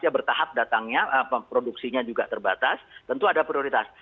dia bertahap datangnya produksinya juga terbatas tentu ada prioritas